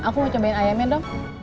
aku mau cobain ayamnya dong